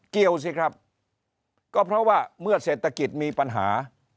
เกี่ยวสิครับก็เพราะว่าเมื่อเศรษฐกิจมีปัญหา